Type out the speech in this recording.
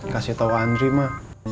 kasih tau andri ma